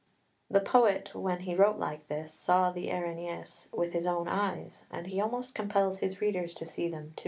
The poet when he wrote like this saw the Erinyes with his own eyes, and he almost compels his readers to see them too.